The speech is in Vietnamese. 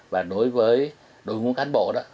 và đối với đội ngũ cán bộ đó